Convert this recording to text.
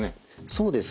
そうですね。